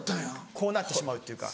こうなってしまうというか。